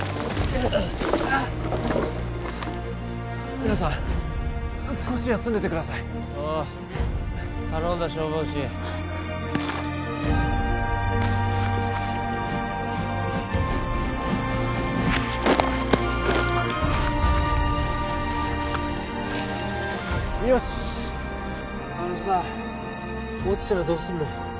皆さん少し休んでてくださいおう頼んだ消防士よしあのさ落ちたらどうすんの？